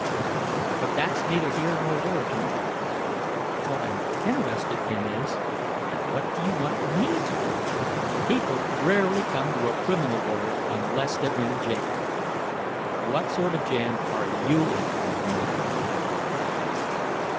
"But that's neither here nor there at the moment. What I'm interested in is, what do you want me to do? People rarely come to a criminal lawyer unless they're in a jam. What sort of jam are you in at the moment?"